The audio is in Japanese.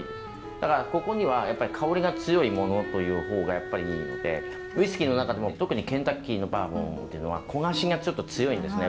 だからここにはやっぱり香りが強いものという方がやっぱりいいのでウイスキーの中でも特にケンタッキーのバーボンっていうのは焦がしがちょっと強いんですね